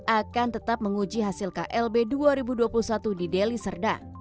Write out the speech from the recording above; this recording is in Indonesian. akan tetap menguji hasil klb dua ribu dua puluh satu di deli serdang